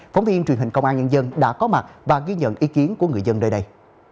phóng viên truyền hình công an nhân dân đã có mặt và ghi nhận ý kiến của người dân nơi đây